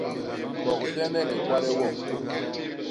Bogdene ni kwade woñ.